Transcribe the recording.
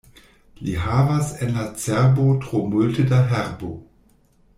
Li havas en la cerbo tro multe da herbo.